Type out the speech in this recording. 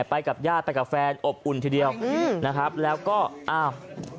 ไปกับญาติไปกับแฟนอบอุ่นทีเดียวอืมนะครับแล้วก็อ้าว